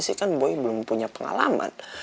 sih kan boy belum punya pengalaman